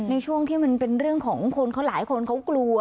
ในช่วงที่มันเป็นเรื่องของคนเขาหลายคนเขากลัว